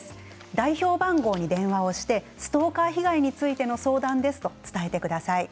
代表番号に電話をしてストーカー被害についての相談ですと伝えてください。